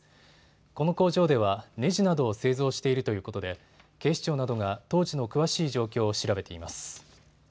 この工場ではねじなどを製造しているということで警視庁などが当時の詳しい状況を調べています。